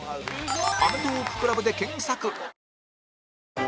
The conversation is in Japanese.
「アメトーーク ＣＬＵＢ」で検索